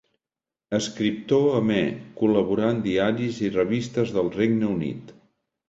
Escriptor amè, col·laborà en diaris i revistes del Regne Unit.